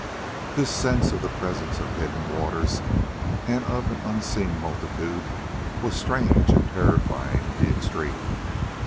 This sense of the presence of hidden waters and of an unseen multitude was strange and terrifying in the extreme.